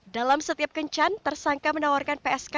dalam setiap kencan tersangka menawarkan psk